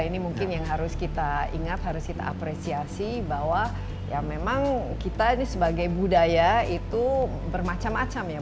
ini mungkin yang harus kita ingat harus kita apresiasi bahwa ya memang kita ini sebagai budaya itu bermacam macam ya